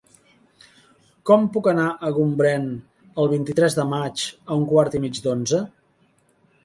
Com puc anar a Gombrèn el vint-i-tres de maig a un quart i mig d'onze?